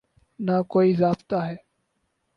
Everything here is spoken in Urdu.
نہ کوئی ضابطہ ہے۔